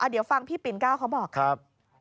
เดี๋ยวฟังพี่ปิ่นก้าวเขาบอกครับ